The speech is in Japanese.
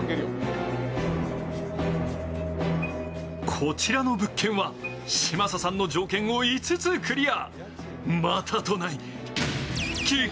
こちらの物件は嶋佐さんの条件を５つクリア。